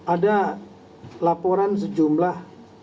ada laporan sejumlah